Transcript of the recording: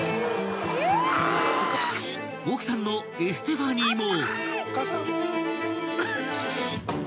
［奥さんのエステファニーも］